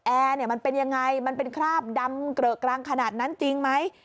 แอร์เนี่ยมันเป็นยังไงมันเป็นคราบดำเกลอะกรังขนาดนั้นจริงไหม